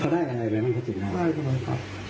ได้ครับคุณค่ะ